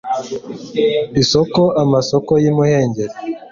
ISOKO amasoko y imuhengeri